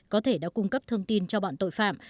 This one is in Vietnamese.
có thể đã cung cấp thông tin cho bọn tội phạm